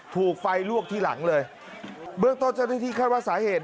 ถูกไฟลวกที่หลังเลยเบื้องต้นเจ้าหน้าที่คาดว่าสาเหตุ